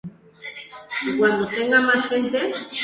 En conversaciones y besos, hay melodías.